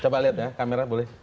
coba lihat ya kamera boleh